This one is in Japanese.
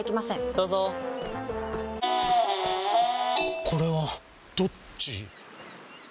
どうぞこれはどっち？